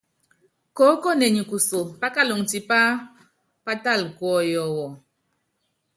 Koókone nyi kuso, pákaluŋɔ tipá pátala kuɔyɔ wu.